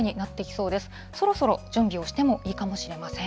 そろそろ準備をしてもいいかもしれません。